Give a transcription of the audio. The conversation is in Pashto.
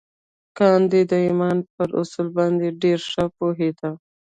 ګاندي د ایمان پر اصل باندې ډېر ښه پوهېده